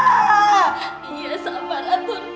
nenek mau ketemu mama teteh